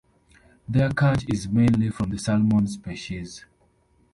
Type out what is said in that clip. Their catch is mainly from the salmon species.